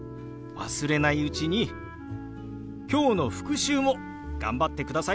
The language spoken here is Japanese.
忘れないうちに今日の復習も頑張ってくださいね。